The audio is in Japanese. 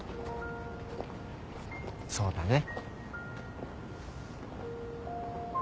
そうだね。